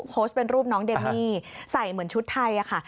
โพสต์เป็นรูปน้องเดมี่ใส่เหมือนชุดไทยค่ะ